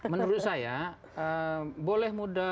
menurut saya boleh muda